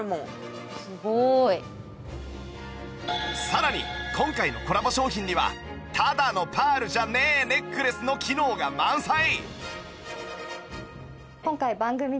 さらに今回のコラボ商品にはただのパールじゃねえネックレスの機能が満載！